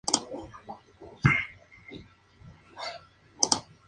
La localidad sufre problemas de anegamiento.